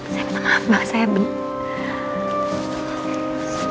saya maaf banget saya benci